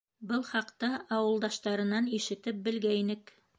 Был хаҡта ауылдаштарынан ишетеп белгәйнек.